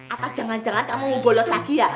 atau jangan jangan kamu bolos lagi ya